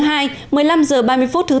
một mươi năm h ba mươi phút thứ bốn